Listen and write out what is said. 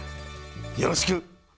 よろしく！